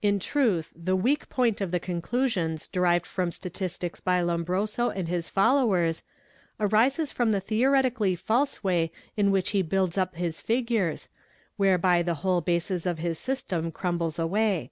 In truth the weak point of the conclusions derived from statistics by — Lombroso and his followers arises from the theoretically false way in ' which he builds up his figures, whereby the whole basis of his system crumbles away.